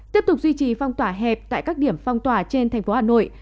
tiếp tục duy trì phong tỏa hẹp tại các điểm phong tỏa trên thành phố hà nội